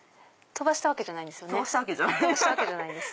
飛ばしたわけじゃないです。